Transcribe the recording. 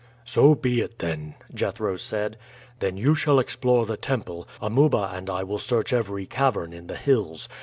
"So be it, then," Jethro said. "Then you shall explore the temple, Amuba and I will search every cavern in the hills.